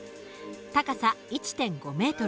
高さ１．５ｍ。